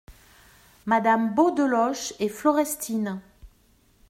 Madame Beaudeloche et Florestine.